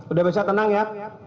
udah bisa tenang ya